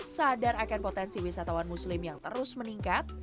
sadar akan potensi wisatawan muslim yang terus meningkat